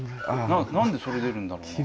何でそれ出るんだろうな？